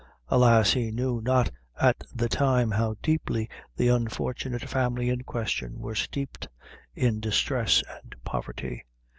Alas! he knew not at the time how deeply the unfortunate family in question were steeped in distress and poverty.